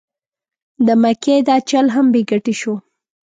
د مکۍ دا چل هم بې ګټې شو.